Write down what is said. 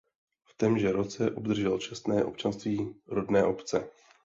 V témže roce obdržel čestné občanství rodné obce.